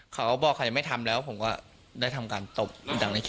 เขาบอกเขายังไม่ทำแล้วผมก็ได้ทำการตบดังในคลิป